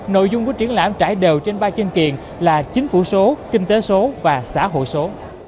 nội dung của triển lãm trải đều trên ba chân kiện là chính phủ số kinh tế số và xã hội số